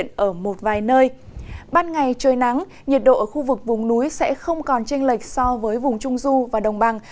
ban ngày trời nắng nhiệt độ ở khu vực vùng núi sẽ không còn tranh lệch so với vùng trung du và đồng bằng